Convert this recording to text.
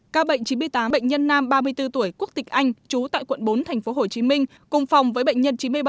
các bệnh chín mươi tám bệnh nhân nam ba mươi bốn tuổi quốc tịch anh trú tại quận bốn tp hcm cùng phòng với bệnh nhân chín mươi bảy